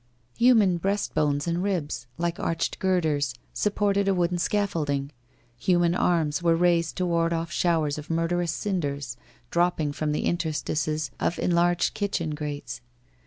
Human breastbones and ribs, like arched girders, supported a wooden scaffolding; human arms were raised to ward off showers of murderous cinders, dropping from the inter stices of enlarged kitchen grates.